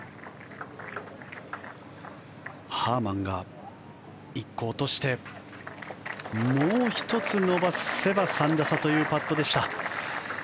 ハーマンが１個落としてもう１つ伸ばせば３打差というパットでした。